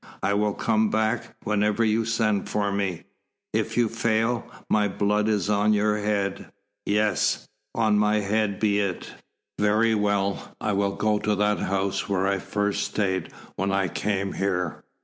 "I will come back whenever you send for me." "If you fail, my blood is on your head." "Yes on my head be it." "Very well. I will go to that house where I first stayed when I came here.